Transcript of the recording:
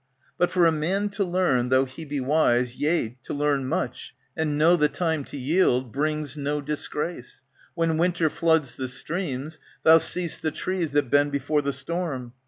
But for a man to learn, though he be wise, ^^ Yea to learn much, and know the time to yield. Brings no disgrace. When winter floods the streams. Thou see'st the trees that bend before the storm.